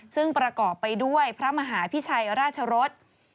ซึ่งประกอบไปด้วยพระมหาพิชัยราชรส